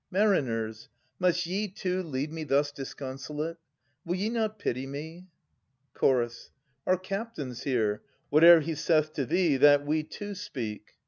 Mariners, Must ye, too, leave me thus disconsolate? Will ye not pity me? Ch. Our captain's here. Whate'er he saith to thee, that we too speak.